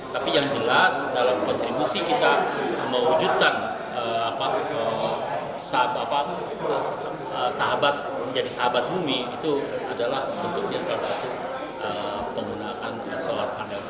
tapi yang jelas dalam kontribusi kita mewujudkan sahabat menjadi sahabat bumi itu adalah bentuknya salah satu penggunaan solar panel